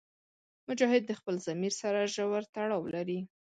مجاهد د خپل ضمیر سره ژور تړاو لري.